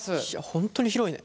本当に広いね。